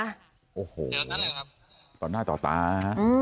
โหตอนหน้าต่อตา